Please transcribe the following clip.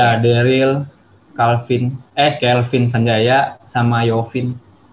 iya daryl calvin eh calvin sanggaya sama jovin